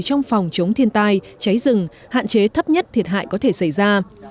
trong phòng chống thiên tai cháy rừng hạn chế thấp nhất thiệt hại có thể xảy ra